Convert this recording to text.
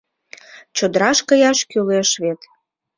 Чодраш каяш кӱлеш вет.